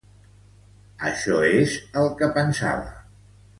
Això és el que pensava.